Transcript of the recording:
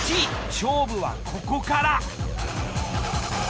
勝負はここから。